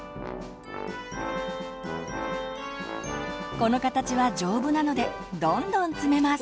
この形は丈夫なのでどんどん積めます。